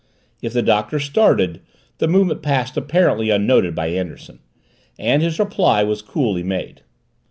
If the Doctor started, the movement passed apparently unnoted by Anderson. And his reply was coolly made.